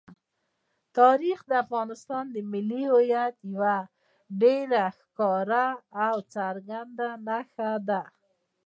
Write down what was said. تاریخ د افغانستان د ملي هویت یوه ډېره ښکاره او څرګنده نښه ده.